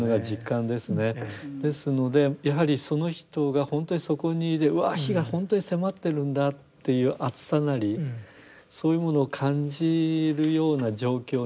ですのでやはりその人が本当にそこにわ火が本当に迫ってるんだっていう熱さなりそういうものを感じるような状況にこう直面しないと。